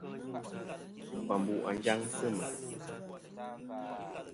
Fu ambu' à njaŋ sɨ mà.